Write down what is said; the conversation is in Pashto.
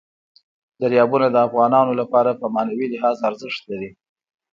دریابونه د افغانانو لپاره په معنوي لحاظ ارزښت لري.